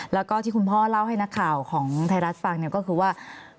แล้วก็ที่คุณพ่อเล่าให้นักข่าวของไทยรัฐฟังเนี่ยก็คือว่า